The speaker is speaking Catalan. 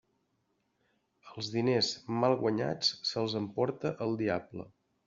Els diners mal guanyats se'ls emporta el diable.